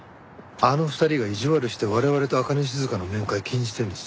あの２人が意地悪して我々と朱音静の面会を禁じてるんです。